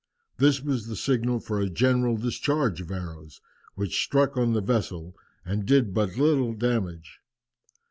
This was the signal for a general discharge of arrows, which struck on the vessel and did but little damage.